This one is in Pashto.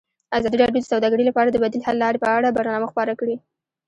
ازادي راډیو د سوداګري لپاره د بدیل حل لارې په اړه برنامه خپاره کړې.